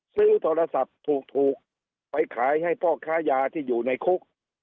ซื้อโทรศัพท์ถูกไปขายให้พ่อค้ายาที่อยู่ในคุก